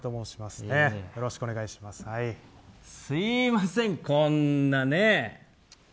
すいません、こんなね。